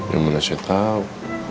ya menurut saya tau